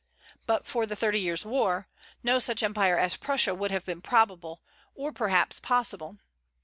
But for the Thirty Years' War, no such empire as Prussia would have been probable, or perhaps possible.